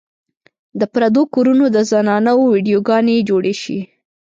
د پردو کورونو د زنانو ويډيو ګانې جوړې شي